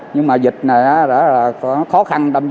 nhưng mà dịch này nó khó khăn